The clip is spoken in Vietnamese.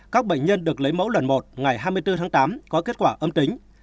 các bệnh nhân được lấy mẫu lần một ngày hai mươi bốn tháng tám có kết quả âm tính